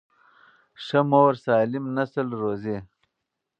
ښه مور سالم نسل روزي.